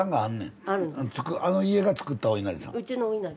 あの家がつくったおいなりさん？